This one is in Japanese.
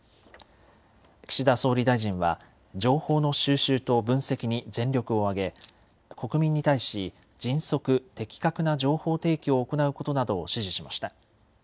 岸田総理大臣は、情報の収集と分析に全力を挙げ、国民に対し、迅速・的確な情報提供を行うことなどを指示しました。